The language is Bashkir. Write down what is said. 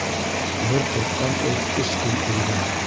Бер ҡурҡҡан эт өс көн өргән.